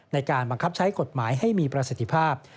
ในการบังคับใช้กฎหมายให้มีประสิทธิภาพ